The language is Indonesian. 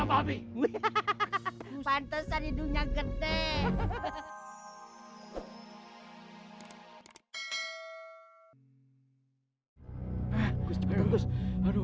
pantesan hidungnya gede